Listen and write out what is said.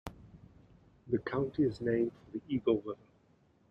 The county is named for the Eagle River.